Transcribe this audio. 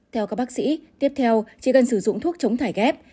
theo các bác sĩ tiếp theo chỉ cần sử dụng thuốc chống thải ghép